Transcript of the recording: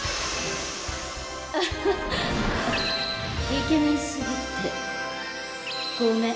イケメンすぎてごめん！